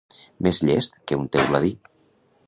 Més llest que un teuladí.